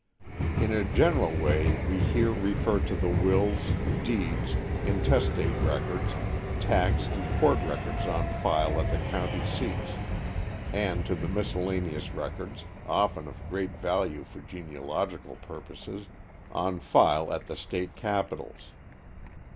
In a general way we here refer to the wills, deeds, intestate records, tax and court records on file at the county seats, and to the miscellaneous records, often of great value for genealogical purposes, on file at the State Capitals.